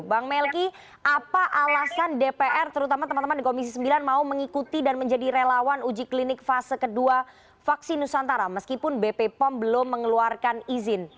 bang melki apa alasan dpr terutama teman teman di komisi sembilan mau mengikuti dan menjadi relawan uji klinik fase kedua vaksin nusantara meskipun bp pom belum mengeluarkan izin